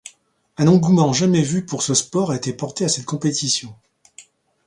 Un engouement jamais vu pour ce sport a été porté à cette compétition.